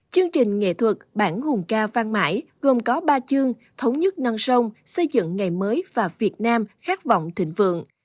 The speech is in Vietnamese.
chương trình nghệ thuật bản hùng ca vang mãi gồm có ba chương thống nhất non sông xây dựng ngày mới và việt nam khát vọng thịnh vượng